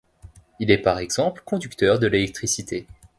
Il est par exemple conducteur de l'électricité.